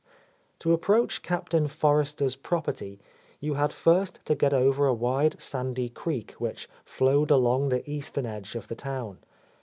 To approach Captain Forrester's property, you had first to get over a wide, sandy creek which flowed along the eastern edge of the town.